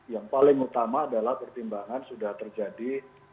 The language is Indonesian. yang paling utama adalah pertimbangan sudah terjadi